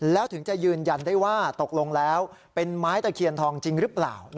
แล้วถึงจะยืนยันได้ว่าตกลงแล้วเป็นไม้ตะเคียนทองจริงหรือเปล่า